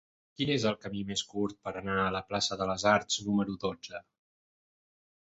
Quin és el camí més curt per anar a la plaça de les Arts número dotze?